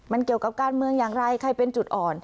มันเกี่ยวกับการเมืองอย่างไรใครเป็นจุดอ่อน